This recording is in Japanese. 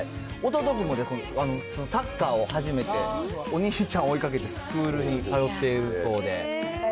弟君はサッカーを始めて、お兄ちゃんを追いかけてスクールに通っているそうで。